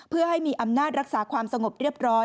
เพื่อให้มีอำนาจรักษาความสงบเรียบร้อย